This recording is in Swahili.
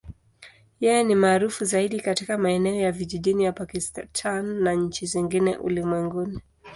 Yeye ni maarufu zaidi katika maeneo ya vijijini ya Pakistan na nchi zingine ulimwenguni.